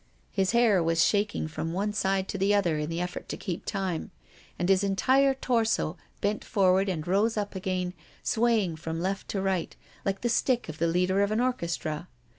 His hair was shaking from one side to the other in the effort to keep time, and his entire torso bent forward and rose up again, swaying from left to right, like the stick of the leader of an orchestra.